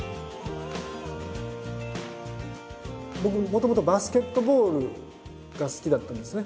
僕もともとバスケットボールが好きだったんですね。